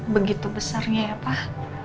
begitu besarnya ya pak